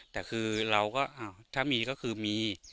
แต่คือเราก็ถ้ามีก็คือมี